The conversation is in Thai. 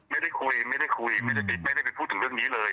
ไม่ได้คุยไม่ได้คุยไม่ได้ไปพูดถึงเรื่องนี้เลย